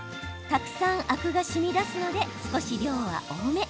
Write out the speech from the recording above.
たくさんアクがしみ出すので少し量は多め。